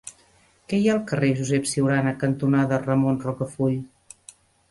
Què hi ha al carrer Josep Ciurana cantonada Ramon Rocafull?